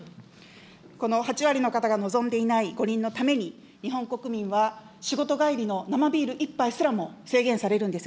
この８割の方が望んでいない五輪のために、日本国民は仕事帰りの生ビール１杯すらも制限されるんです。